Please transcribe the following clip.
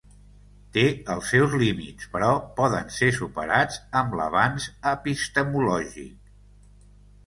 Té els seus límits, però poden ser superats amb l'avanç epistemològic.